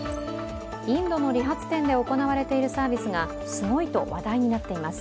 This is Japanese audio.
インドの理髪店で行われているサービスがすごいと話題になっています。